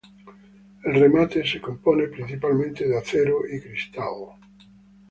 El remate se compone principalmente de acero y cristal.